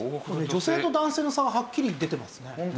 女性と男性の差がはっきり出てますね。